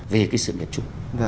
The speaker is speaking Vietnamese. về cái sự nghiệp chung